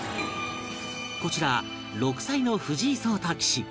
こちら６歳の藤井聡太棋士